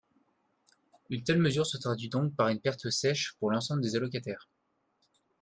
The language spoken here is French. Une telle mesure se traduit donc par une perte sèche pour l’ensemble des allocataires.